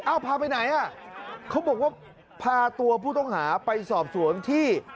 เอาพาไปไหนอ่ะเขาบอกว่าพาตัวผู้ต้องหาไปสอบสวนที่